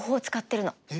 え？